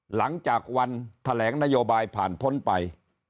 หลังจากวันแถลงนโยบายผ่านพ้นไป